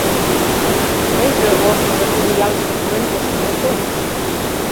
Тыйже ожныжо тиде ялышке пурен коштын отыл.